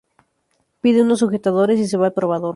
Pide unos sujetadores y se va al probador.